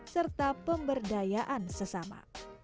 serta pemberdayaan sesama